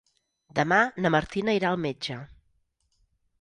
Demà na Martina irà al metge.